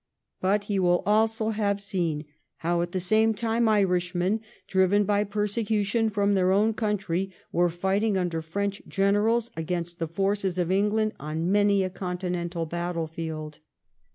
But he will also have seen how at the same time Irishmen, driven by persecution from their own country, were fighting under French generals against the forces of England on many a Continental battle field.